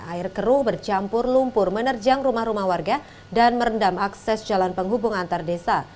air keruh bercampur lumpur menerjang rumah rumah warga dan merendam akses jalan penghubung antar desa